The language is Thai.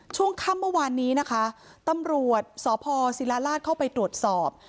ช่วงค่ำเมื่อวานนี้นะคะตำรวจสพศิลาราชเข้าไปตรวจสอบ